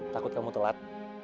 takut kamu telat